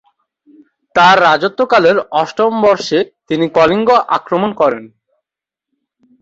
তার রাজত্বকালের অষ্টম বর্ষে তিনি কলিঙ্গ আক্রমণ করেন।